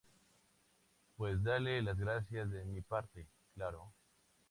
pues dale las gracias de mi parte. claro.